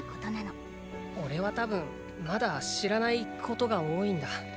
おれはたぶんまだ知らないことが多いんだ。